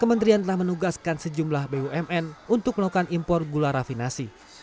kementerian telah menugaskan sejumlah bumn untuk melakukan impor gula rafinasi